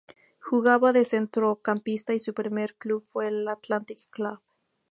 Jugaba de centrocampista y su primer club fue el Athletic Club.